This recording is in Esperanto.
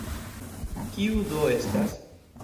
Kiu do estas?